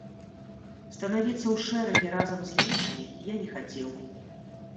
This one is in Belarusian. Станавіцца ў шэрагі разам з іншымі я не хацеў.